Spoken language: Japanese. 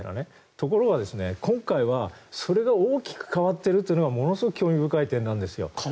ところが、今回はそれが大きく変わっているというのがものすごく興味深い点なんですよ。